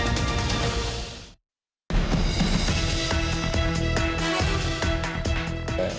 สวัสดีครับ